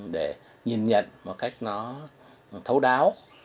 để nhìn nhận một cách nó thấu đáo